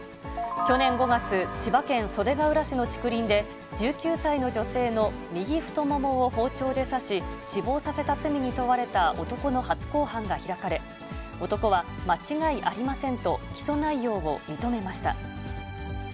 去年５月、千葉県袖ケ浦市の竹林で、１９歳の女性の右太ももを包丁で刺し、死亡させた罪に問われた男の初公判が開かれ、男は、間違いありませんと、起訴内容を認めました。